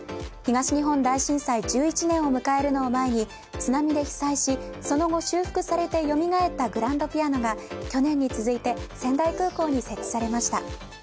東日本大震災１１年を迎えるのを前に津波で被災しその後、修復されてよみがえったグランドピアノが去年に続いて仙台空港に設置されました。